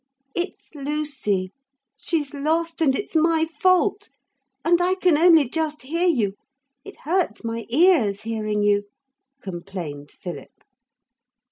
'It's Lucy. She's lost and it's my fault. And I can only just hear you. It hurts my ears hearing you,' complained Philip.